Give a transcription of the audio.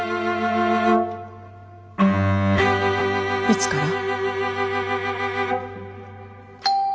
いつから？